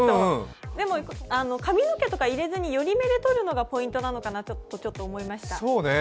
でも、髪の毛とか入れずに寄り目で撮るのがポイントなのかなとちょっと思いました。